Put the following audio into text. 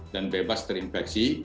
dan bebas terinfeksi